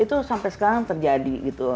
itu sampai sekarang terjadi gitu